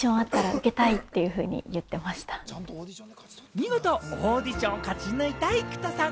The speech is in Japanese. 見事オーディションを勝ち抜いた生田さん。